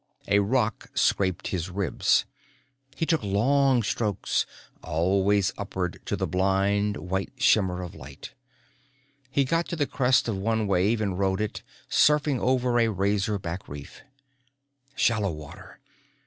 A rock scraped his ribs. He took long strokes, always upward to the blind white shimmer of light. He got to the crest of one wave and rode it in, surfing over a razorback reef. Shallow water.